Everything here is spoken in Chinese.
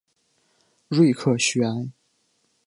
瑞克叙埃。